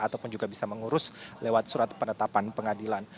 ataupun juga bisa mengurus lewat surat penetapan pengadilan